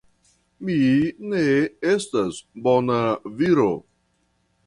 Mi ne estas bona viro.